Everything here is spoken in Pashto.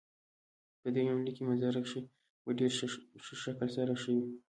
په دې يونليک کې منظره کشي په ډېر ښه شکل سره شوي.